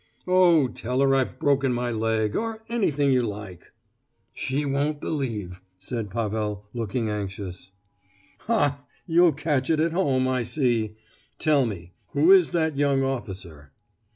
"Oh, tell her I've broken my leg—or anything you like!" "She won't believe!" said Pavel, looking anxious. "Ha ha ha! You catch it at home, I see! Tell me, who is that young officer?"